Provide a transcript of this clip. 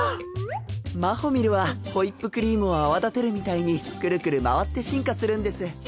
マホミルはホイップクリームを泡立てるみたいにクルクル回って進化するんです。